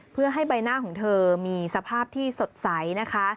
เพื่อให้ใบหน้าของเธอมีสภาพที่สดใสนะคะ